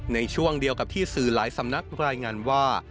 ในช่วงเดียวกับที่สื่อหลายสำนักรายงานว่า